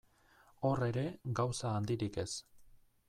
Hor ere, gauza handirik ez.